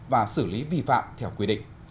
và xử lý vi phạm theo quy định